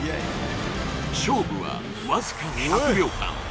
勝負は僅か１００秒間。